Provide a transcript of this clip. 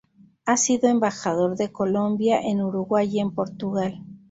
Ha sido embajador de Colombia en Uruguay y en Portugal.